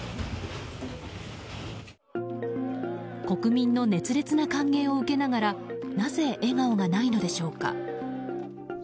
国民の熱烈な歓迎を受けながらなぜ笑顔がないのでしょうか。